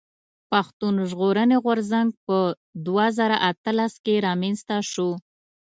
پښتون ژغورني غورځنګ په دوه زره اتلس کښي رامنځته شو.